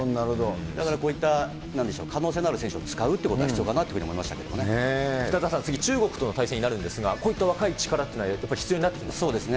だからこういった可能性のある選手を使うというのは必要かなとい北澤さん、次、中国との対戦になるんですが、こういった若い力というのは、やっぱり必要になそうですね。